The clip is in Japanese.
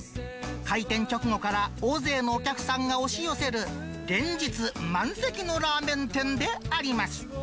開店直後から大勢のお客さんが押し寄せる、連日満席のラーメン店であります。